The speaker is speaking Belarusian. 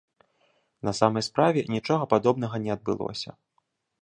На самай справе, нічога падобнага не адбылося.